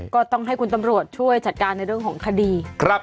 ก็ต้องให้คุณตำรวจช่วยจัดการในเรื่องของคดี